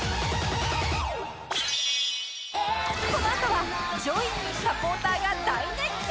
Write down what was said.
このあとは ＪＯＹ にサポーターが大熱狂！